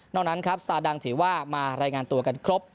นั้นครับซาดังถือว่ามารายงานตัวกันครบ